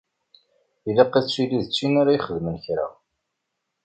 Ilaq ad tili tin ara ixedmen kra.